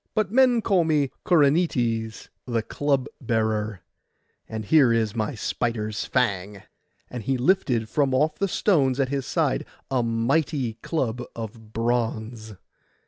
But men call me Corynetes the club bearer; and here is my spider's fang.' And he lifted from off the stones at his side a mighty club of bronze.